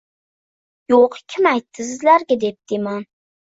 – Yoʻq, kim aytdi sizlarga, – debdi imom